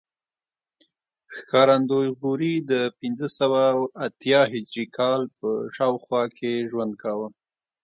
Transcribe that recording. ښکارندوی غوري د پنځه سوه اتیا هجري کال په شاوخوا کې ژوند کاوه